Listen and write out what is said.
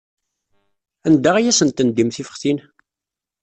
Anda ay asen-tendim tifextin?